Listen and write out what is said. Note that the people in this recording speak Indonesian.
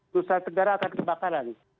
perusahaan negara akan kebakaran